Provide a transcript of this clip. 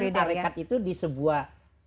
tadi kan tarikat itu di sebuah